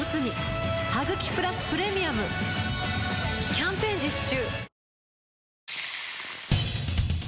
キャンペーン実施中